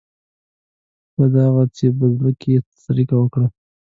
بدي هغه ده چې په زړه کې څړيکه وکړي.